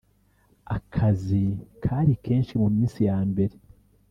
Akazi kari kenshi mu minsi ya mbere